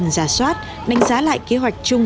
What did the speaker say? giả soát đánh giá lại kế hoạch chung